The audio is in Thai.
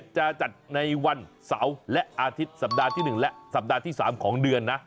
จะจัดในวันเสาร์และอาทิตย์สัปดาห์ที่๑และสัปดาห์ที่๓ของเดือนนะ